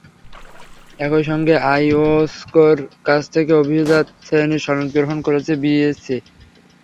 একই সঙ্গে আইওসকোর কাছ থেকে অভিজাত শ্রেণির সনদ গ্রহণ করেছে বিএসইসি।